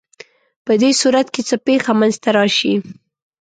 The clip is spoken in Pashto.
په دې صورت کې څه پېښه منځ ته راشي؟